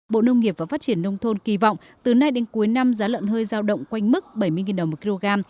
bộ nông nghiệp và phát triển nông thôn kỳ vọng từ nay đến cuối năm giá lợn hơi giao động quanh mức bảy mươi đồng một kg